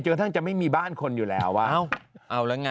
จะค่อยที่จะไม่มีบ้านคนอยู่แล้วนะ